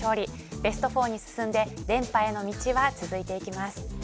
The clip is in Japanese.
ベスト４に進んで連覇への道は続いていきます。